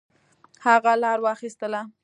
هغه لار واخیستله.